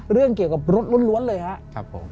เรื่องเกี่ยวกับรถล้วนเลยครับผม